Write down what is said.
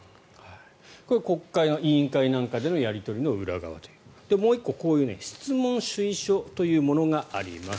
国会の委員会なんかでのやり取りの裏側ということでもう１個質問主意書というものがあります。